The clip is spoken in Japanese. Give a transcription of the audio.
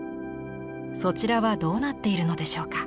そちらはどうなっているのでしょうか。